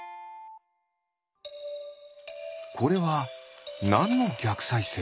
これはなんのぎゃくさいせい？